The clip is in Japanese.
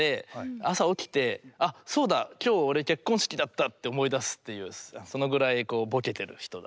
朝起きて「あそうだ今日俺結婚式だった」って思い出すっていうそのぐらいぼけてる人だっていう。